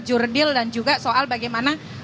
jurdil dan juga soal bagaimana